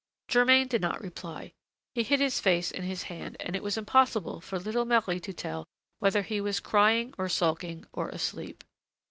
Germain did not reply. He hid his face in his hands and it was impossible for little Marie to tell whether he was crying or sulking or asleep.